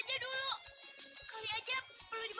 perlu dibawa ke rumah sakit